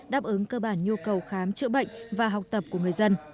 đáp ứng cơ bản nhu cầu khám chữa bệnh và học tập của người dân